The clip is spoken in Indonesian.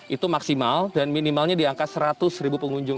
itu maksimal dan minimalnya di angka seratus ribu pengunjung